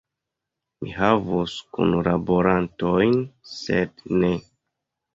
Mi havus kunlaborantojn, sed ne.